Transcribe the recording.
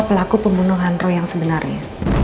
pelaku pembunuhan roy yang sebenarnya